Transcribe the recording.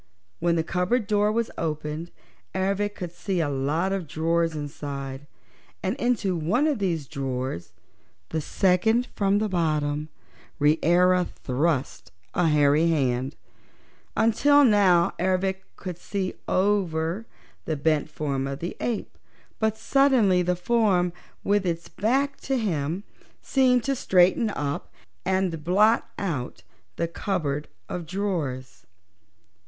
When the cupboard door was opened Ervic could see a lot of drawers inside, and into one of these drawers the second from the bottom Reera thrust a hairy hand. Until now Ervic could see over the bent form of the ape, but suddenly the form, with its back to him, seemed to straighten up and blot out the cupboard of drawers.